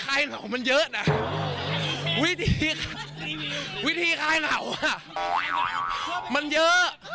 ครับพี่วิธีคลายเหนามันเยอะนะวิธีคลายเหนาอ่ะมันเยอะ